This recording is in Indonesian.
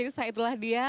ya pemirsa itulah dia